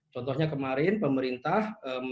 contohnya kemarin pemerintah